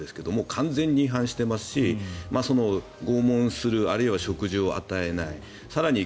完全に違反していますし拷問するあるいは食事を与えない更に